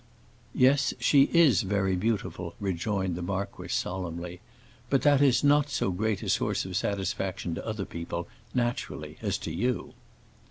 "Yes, she is very beautiful," rejoined the marquis, solemnly. "But that is not so great a source of satisfaction to other people, naturally, as to you."